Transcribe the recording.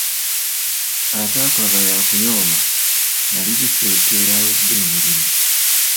Ataakulaba y'akuyooma. Nali bifekeera awedde emirimu.